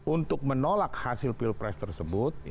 untuk menolak hasil pilpres tersebut